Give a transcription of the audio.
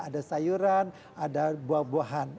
ada sayuran ada buah buahan